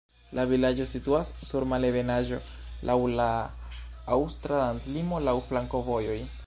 La vilaĝo situas sur malebenaĵo, laŭ la aŭstra landlimo, laŭ flankovojoj.